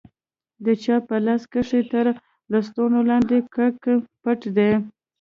د چا په لاس کښې تر لستوڼي لاندې کرک پټ دى.